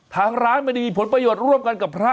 ทางร้านไม่ได้มีผลประโยชน์ร่วมกันกับพระ